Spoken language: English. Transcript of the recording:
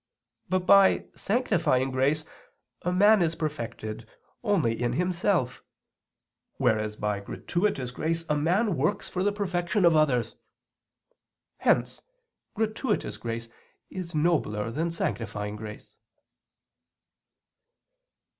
But by sanctifying grace a man is perfected only in himself; whereas by gratuitous grace a man works for the perfection of others. Hence gratuitous grace is nobler than sanctifying grace.